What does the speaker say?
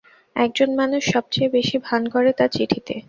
একজন মানুষ সবচেয়ে বেশি ভান করে তার চিঠিতে।